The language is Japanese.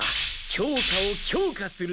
教科を強化する？